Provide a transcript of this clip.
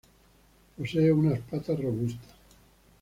Posee unas patas robustas.